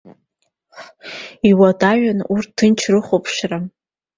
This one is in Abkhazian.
Иуадаҩын урҭ ҭынч рыхәаԥшра.